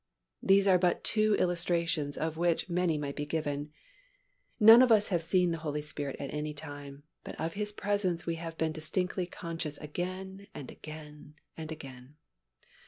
These are but two illustrations of which many might be given. None of us have seen the Holy Spirit at any time, but of His presence we have been distinctly conscious again and again and again.